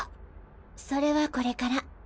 それはこれから。